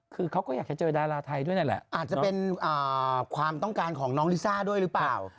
คือเขาก็อยากจะเจอดาราไทยด้วยนั่นแหละอาจจะเป็นความต้องการของน้องลิซ่าด้วยหรือเปล่า